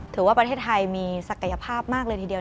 ถือว่าประเทศไทยมีศักยภาพมากเลยทีเดียว